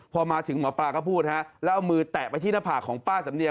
พอมาถึงหมอปลาก็พูดฮะแล้วเอามือแตะไปที่หน้าผากของป้าสำเนีย